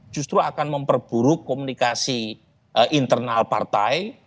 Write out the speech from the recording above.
justru akan memperburuk komunikasi internal partai